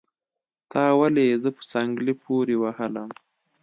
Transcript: تا ولې زه په څنګلي پوري وهلم